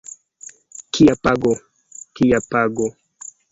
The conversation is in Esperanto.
Kia pago, tia ago.